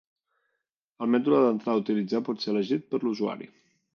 El mètode d'entrada a utilitzar pot ser elegit per l'usuari.